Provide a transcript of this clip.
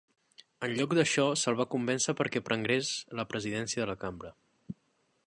En lloc d'això, se'l va convèncer perquè prengués la presidència de la cambra.